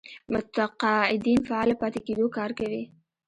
متقاعدين فعاله پاتې کېدو کار کوي.